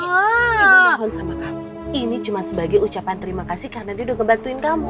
ya ampun sama kamu ini cuma sebagai ucapan terima kasih karena dia udah ngebantuin kamu